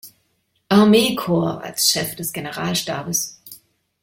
Armeekorps" als Chef des Generalstabes.